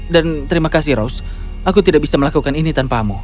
dan terima kasih rose aku tidak bisa melakukan ini tanpamu